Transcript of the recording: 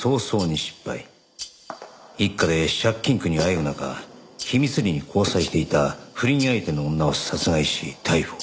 一家で借金苦にあえぐ中秘密裏に交際していた不倫相手の女を殺害し逮捕。